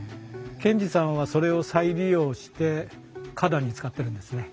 賢治さんはそれを再利用して花壇に使ってるんですね。